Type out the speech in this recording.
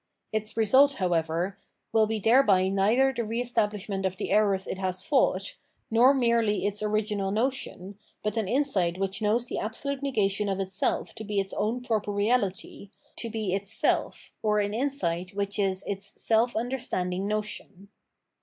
Its result, however, wiU be thereby neither the re establishment of the errors it has fought, nor merely its original notion, but an insight which knows the absolute negation of itself to be its own proper reality, to be its self, or an insight which is its self understanding notion.